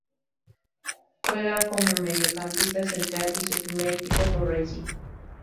Juega como mediocampista central y su primer equipo fue Racing.